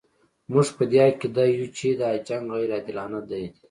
موږ په دې عقیده یو چې دا جنګ غیر عادلانه دی.